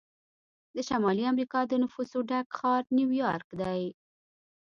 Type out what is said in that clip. د شمالي امریکا د نفوسو ډک ښار نیویارک دی.